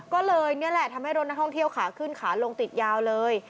ก็เลยนี่แหละทำให้รถนักท่องเที่ยวขาขึ้นขาลงติดยาวเลย